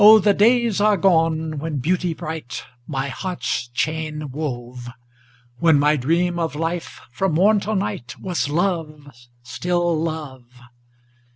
the days are gone, when Beauty bright My heart's chain wove; When my dream of life, from morn till night, Was love, still love.